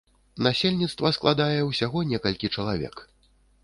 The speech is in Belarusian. Насельніцтва складае ўсяго некалькі чалавек.